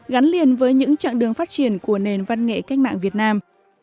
gắn liền với những chặng đường phát triển của nền văn nghệ cách mạng việt nam